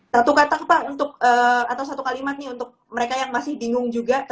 satu kata pak untuk atau satu kalimat nih untuk mereka yang masih bingung juga